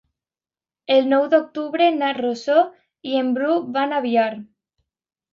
El nou d'octubre na Rosó i en Bru van a Biar.